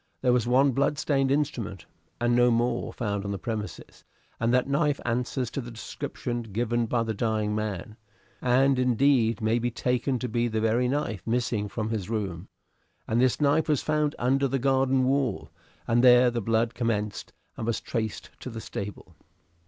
There was one blood stained instrument, and no more, found on the premises, and that knife answers to the description given by the dying man, and, indeed, may be taken to be the very knife missing from his room; and this knife was found under the garden wall, and there the blood commenced and was traced to the stable.